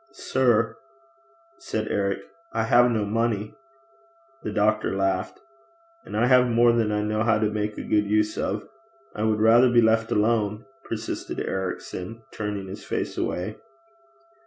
'Sir,' said Eric, 'I have no money.' The doctor laughed. 'And I have more than I know how to make a good use of.' 'I would rather be left alone,' persisted Ericson, turning his face away.